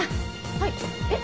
はいえっ？